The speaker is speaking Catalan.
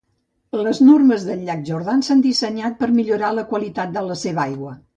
Les normes del llac Jordan s'han dissenyat per a millorar la qualitat de la seva aigua.